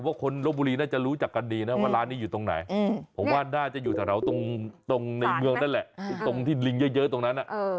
คนลบบุรีน่าจะรู้จักกันดีนะว่าร้านนี้อยู่ตรงไหนผมว่าน่าจะอยู่แถวตรงในเมืองนั่นแหละตรงที่ลิงเยอะตรงนั้น